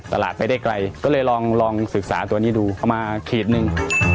ตลาดไม่ได้ไกลก็เลยลองศึกษาตัวนี้ดูเอามาขีดหนึ่ง